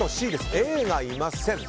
Ａがいません。